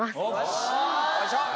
よし！